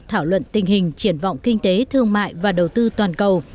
thảo luận tình hình triển vọng kinh tế thương mại và đầu tư toàn cầu